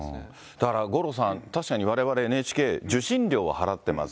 だから五郎さん、確かにわれわれ、ＮＨＫ、受信料は払ってます。